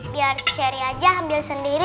biar cari aja ambil sendiri